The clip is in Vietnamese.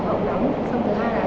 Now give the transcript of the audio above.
xong rồi đi ngủ rất dài